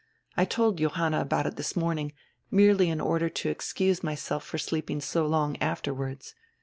I told Johanna about it dris nrorning, merely in order to excuse myself for sleeping so long after wards.